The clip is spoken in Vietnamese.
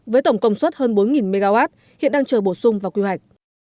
với tổng công suất hơn bốn mw hiện đang chờ bổ sung vào quy hoạch